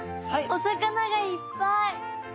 お魚がいっぱい！